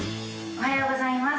おはようございます